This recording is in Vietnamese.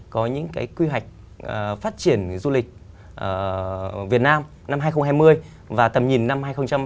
có những quy hoạch phát triển du lịch việt nam năm hai nghìn hai mươi và tầm nhìn năm hai nghìn ba mươi